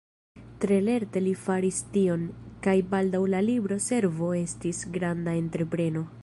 Tre lerte li faris tion, kaj baldaŭ la libro-servo estis granda entrepreno.